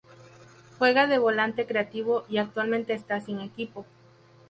Juega de volante creativo y actualmente está sin equipo.